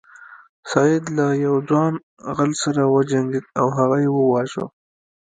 سید له یو ځوان غل سره وجنګیده او هغه یې وواژه.